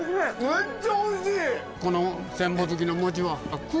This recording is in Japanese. めっちゃおいしい！